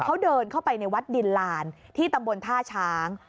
เขาเดินเข้าไปในวัดดินลานที่ตำบลท่าช้าง